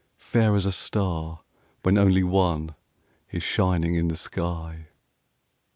–Fair as a star, when only one Is shining in the sky.